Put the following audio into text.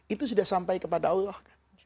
itu sudah sampai kepada allah